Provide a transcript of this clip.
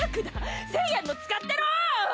１０００円の使ってろ！